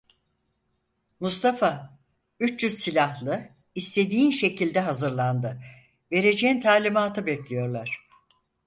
Mustafa, üç yüz silahlı, istediğin şekilde hazırlandı; vereceğin talimatı bekliyorlar.